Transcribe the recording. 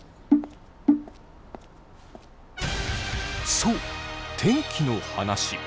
そう天気の話。